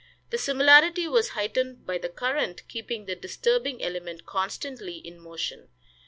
The similarity was heightened by the current keeping the disturbing element constantly in motion.